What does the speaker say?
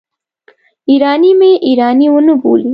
ایراني مې ایراني ونه بولي.